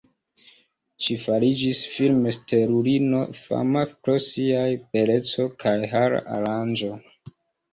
Ŝi fariĝis film-stelulino, fama pro siaj beleco kaj har-aranĝo.